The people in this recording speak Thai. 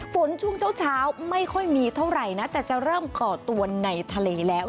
ช่วงเช้าไม่ค่อยมีเท่าไหร่นะแต่จะเริ่มก่อตัวในทะเลแล้ว